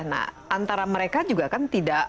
nah antara mereka juga kan tidak